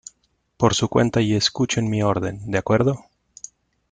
por su cuenta y escuchen mi orden ,¿ de acuerdo ?